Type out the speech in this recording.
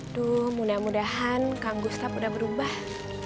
aduh mudah mudahan kang gustaf udah berubah